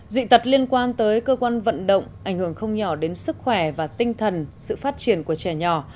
dị tật liên quan tới cơ quan vận động ảnh hưởng không nhỏ đến sức khỏe và tinh thần sự phát triển của trẻ nhỏ